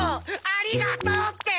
ありがとうって！